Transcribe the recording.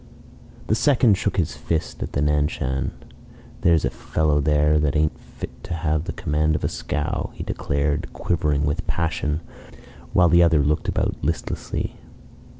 The second shook his fist again at the Nan Shan. "There's a fellow there that ain't fit to have the command of a scow," he declared, quivering with passion, while the other looked about listlessly.